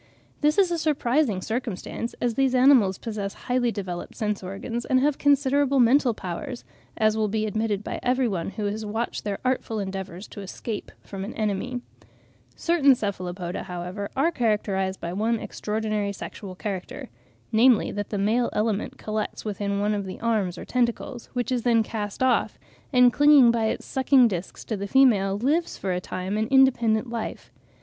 This is a surprising circumstance, as these animals possess highly developed sense organs and have considerable mental powers, as will be admitted by every one who has watched their artful endeavours to escape from an enemy. (3. See, for instance, the account which I have given in my 'Journal of Researches,' 1845, p. 7.) Certain Cephalopoda, however, are characterised by one extraordinary sexual character, namely that the male element collects within one of the arms or tentacles, which is then cast off, and clinging by its sucking discs to the female, lives for a time an independent life.